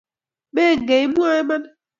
Me engei imwae imanit